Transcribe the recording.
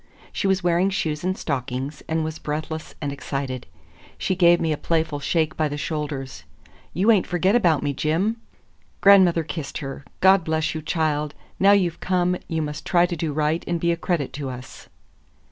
She was wearing shoes and stockings, and was breathless and excited. She gave me a playful shake by the shoulders. "You ain't forget about me, Jim?" Grandmother kissed her. "God bless you, child! Now you've come, you must try to do right and be a credit to us."